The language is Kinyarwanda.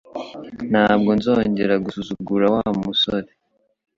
Ntabwo nzongera gusuzugura Wa musore